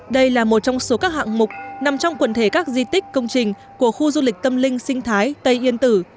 đây là một trong số các hạng mục nằm trong quần thể các di tích công trình của khu du lịch tâm linh sinh thái tây yên tử